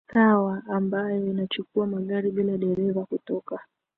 sawa ambayo inachukua magari bila dereva kutoka